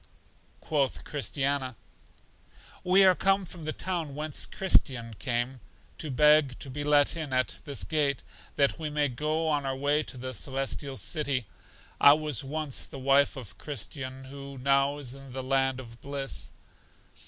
Quoth Christiana: We are come from the town whence Christian came, to beg to be let in at this gate, that we may go on our way to The Celestial City. I was once the wife of Christian, who now is in the land of bliss.